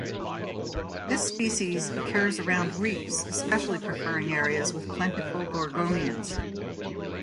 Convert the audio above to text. This species occurs around reefs, especially preferring areas with plentiful gorgonians.